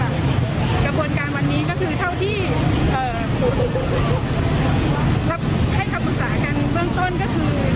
กระบวนการวันนี้ก็คือเท่าที่ให้คำปรึกษากันเบื้องต้นก็คือ